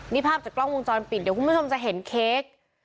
นี่ภาพจากกล้องวงจรปิดเดี๋ยวคุณผู้ชมจะเห็นเค้ก